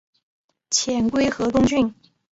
遣归河东郡。